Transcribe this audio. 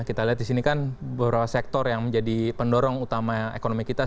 kita lihat di sini kan beberapa sektor yang menjadi pendorong utama ekonomi kita